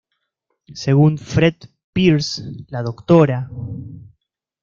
Según Fred Pearce, la Dra.